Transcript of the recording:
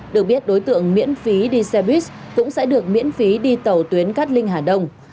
được biết đối tượng miễn phí đi xe buýt cũng sẽ được miễn phí đi tàu tuyến cát linh hà đông